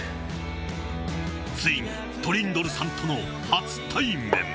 ついにトリンドルさんとの初対面。